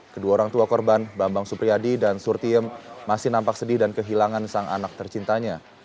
kedua orang tua korban bambang supriyadi dan surtiem masih nampak sedih dan kehilangan sang anak tercintanya